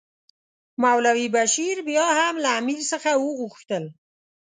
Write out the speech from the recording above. مولوي بشیر بیا هم له امیر څخه وغوښتل.